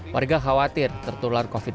warga khawatir tertular covid sembilan belas